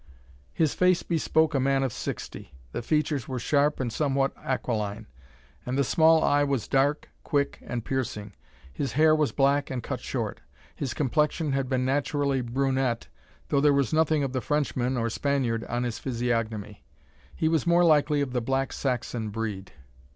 His face bespoke a man of sixty. The features were sharp and somewhat aquiline; and the small eye was dark, quick, and piercing. His hair was black and cut short. His complexion had been naturally brunette, though there was nothing of the Frenchman or Spaniard on his physiognomy. He was more likely of the black Saxon breed.